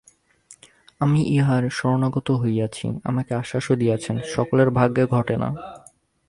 আমি ইঁহার শরণাগত হইয়াছি, আমাকে আশ্বাসও দিয়াছেন, সকলের ভাগ্যে ঘটে না।